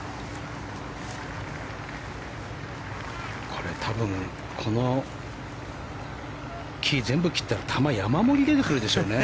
これ多分この木、全部切ったら球、山盛り出てくるでしょうね。